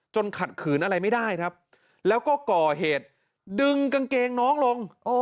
ขัดขืนอะไรไม่ได้ครับแล้วก็ก่อเหตุดึงกางเกงน้องลง